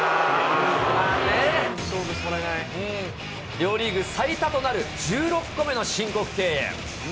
両リーグ最多となる１６個目の申告敬遠。